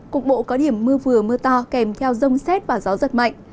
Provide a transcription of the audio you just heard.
cục bộ có điểm mưa vừa mưa to kèm theo rông xét và gió giật mạnh